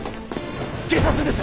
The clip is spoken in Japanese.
警察です！